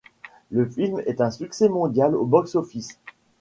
Le film est un succès mondial au box-office.